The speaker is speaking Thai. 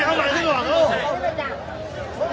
สวัสดีครับทุกคน